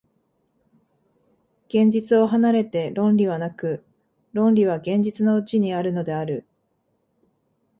現実を離れて論理はなく、論理は現実のうちにあるのである。